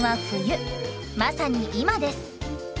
まさに今です。